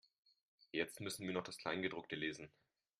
Jetzt müssen wir noch das Kleingedruckte lesen.